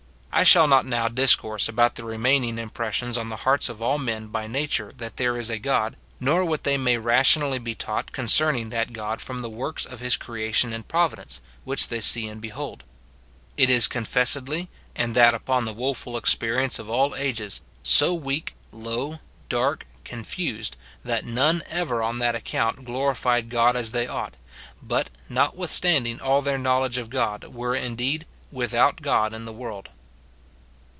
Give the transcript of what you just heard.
I shall not now discourse about the remaining impressions on the hearts of all men by nature that there is a God, nor what they may ration ally be taught concerning that God from the Avorks of his creation and providence, which they see and behold. It is confessedly, and that upon the woful experience of all ages, so weak, low, dark, confused, that none ever on SIN IN BELIEVERS. 269 that account glorified God as they ought, but, notwith standing all their knowledge of God, were indeed " with out God in the world."